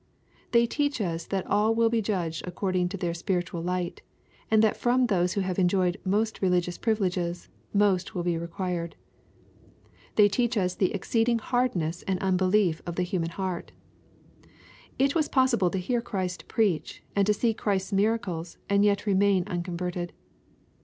They teach us that all will be judged according to their spiritual light, and that from those who have enjoyed most religious privileges, most will be required. They teach us the exceeding hardness and unbelief of the human heart. It was possible to hear Christ prtjach, and to see Christ's miracles, and yet to remain uncon verted.